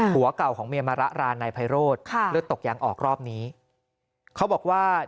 ผัวเก่าของเมียมะระรานนายไพโรธค่ะเลือดตกยังออกรอบนี้เขาบอกว่า